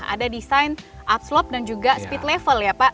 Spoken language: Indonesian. ada desain upslop dan juga speed level ya pak